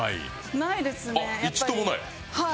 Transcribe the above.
一度もない？